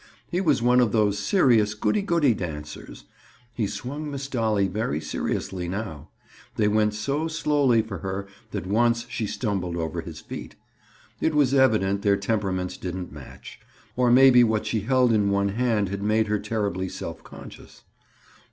He was one of those serious goody goody dancers. He swung Miss Dolly very seriously now; they went so slowly for her that once she stumbled over his feet. It was evident their temperaments didn't match. Or maybe what she held in one hand had made her terribly self conscious.